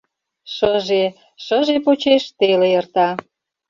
...Шыже, шыже почеш теле эрта.